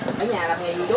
ở nhà làm nghề gì chú